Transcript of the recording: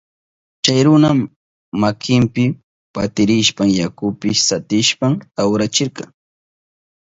Chay runa makinpi pitirishpan yakupi satishpan lawrachirka.